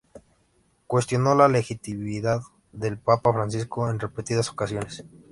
Cuestionó la legitimidad del papa Francisco en repetidas ocasiones.